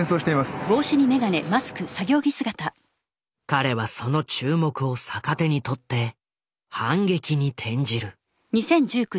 彼はその注目を逆手に取って反撃に転じる。